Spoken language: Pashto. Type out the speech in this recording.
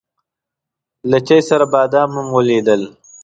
له چای سره بادام هم وليدل.